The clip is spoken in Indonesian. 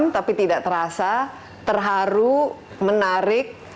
tapi tidak terasa terharu menarik